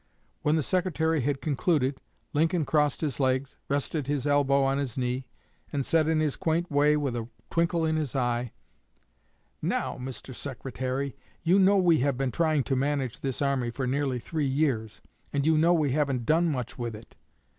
When the Secretary had concluded, Lincoln crossed his legs, rested his elbow on his knee, and said in his quaint way and with a twinkle in his eye: "Now, Mr. Secretary, you know we have been trying to manage this army for nearly three years, and you know we haven't done much with it.